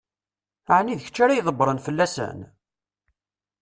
Ɛni d kečč ara ydebbṛen fell-asen?